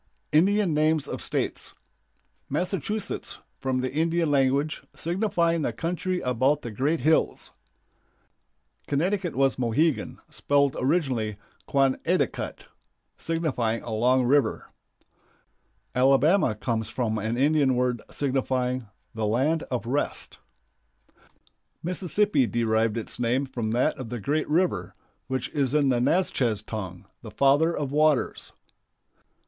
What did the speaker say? INDIAN NAMES OF STATES. Massachusetts, from the Indian language, signifying the "country about the great hills." Connecticut was Mohegan, spelled originally "Quon eh ta cut," signifying "a long river." Alabama comes from an Indian word signifying "the land of rest." Mississippi derived its name from that of the great river, which is in the Natchez tongue "The Father of Waters."